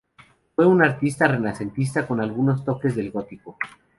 Fue un artista renacentista con algunos toques del gótico.